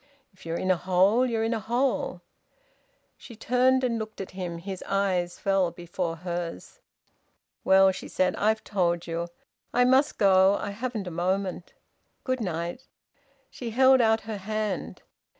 "If you're in a hole, you're in a hole." She turned and looked at him. His eyes fell before hers. "Well," she said. "I've told you. I must go. I haven't a moment. Good night." She held out her hand.